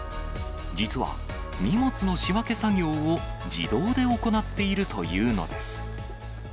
実は、荷物の仕分け作業を自動で行っているというのです。